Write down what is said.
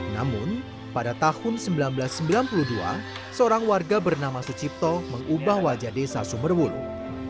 namun pada tahun seribu sembilan ratus sembilan puluh dua seorang warga bernama sucipto mengubah wajah desa sumberwuluh